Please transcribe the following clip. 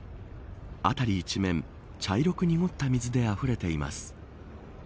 辺り一面、茶色く濁った水であふれています。